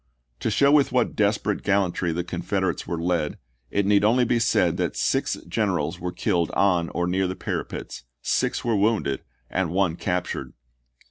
To show with what desperate gal lantry the Confederates were led, it need only be said that six generals were killed on or near the parapets, six were wounded, and one captured.